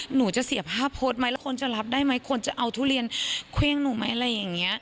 หนูจะเสียภาพโพสต์ไหมแล้วคนจะรับได้ไหมคนจะเอาทุเรียนเครื่องหนูไหมอะไรอย่างนี้